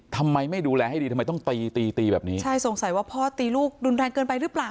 ทำไมไม่ดูแลให้ดีทำไมต้องตีตีตีแบบนี้ใช่สงสัยว่าพ่อตีลูกรุนแรงเกินไปหรือเปล่า